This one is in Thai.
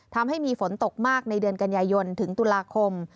ทำให้มีฝนตกมากในเดือนกันยายนถึงตุลาคม